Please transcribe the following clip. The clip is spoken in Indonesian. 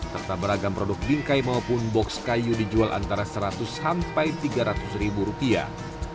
serta beragam produk bingkai maupun box kayu dijual antara seratus sampai tiga ratus ribu rupiah